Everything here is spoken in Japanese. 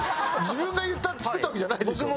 自分が言った作ったわけじゃないでしょ？